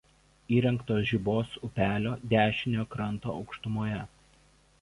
Įrengtos Žibos upelio dešiniojo kranto aukštumoje.